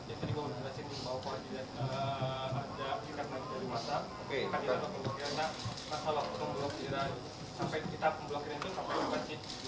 kita pemblokirkan itu apa yang berhasil